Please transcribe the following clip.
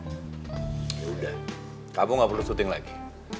sudah kamu gak perlu syuting lagi